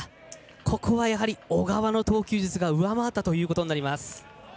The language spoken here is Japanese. ここは小川の投球術が上回ったということになります。